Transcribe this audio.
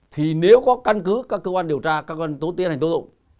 thì nếu có cân cứ các cơ quan điều tra các cơ quan tố tiên hành tố tụng